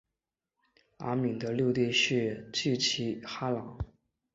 阿敏的六弟是济尔哈朗。